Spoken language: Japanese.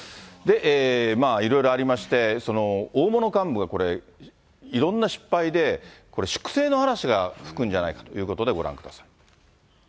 まあいろいろありまして、大物幹部がこれ、いろんな失敗で、これ、粛清の嵐が吹くんじゃないかということで、ご覧ください。